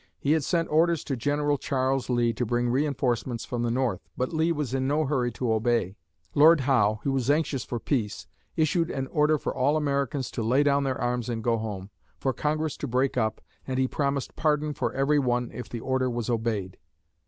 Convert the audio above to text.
He had sent orders to General Charles Lee to bring reinforcements from the north, but Lee was in no hurry to obey. Lord Howe, who was anxious for peace, issued an order for all Americans to lay down their arms and go home; for Congress to break up, and he promised pardon for every one if the order was obeyed.